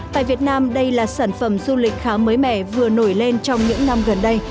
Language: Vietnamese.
tại việt nam đây là sản phẩm du lịch khá mới mẻ vừa nổi lên trong những năm gần đây